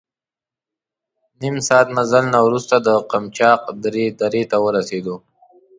نیم ساعت مزل نه وروسته د قمچاق درې ته ورسېدو.